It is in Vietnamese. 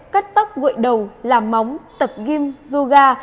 cắt tóc gội đầu làm móng tập gym yoga